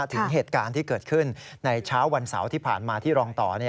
ถึงเหตุการณ์ที่เกิดขึ้นในเช้าวันเสาร์ที่ผ่านมาที่รองต่อ